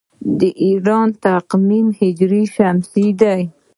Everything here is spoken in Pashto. د ایران تقویم هجري شمسي دی.